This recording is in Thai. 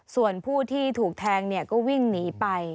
ส่วนผู้ที่ถูกแทงก็วิ่งหนีไป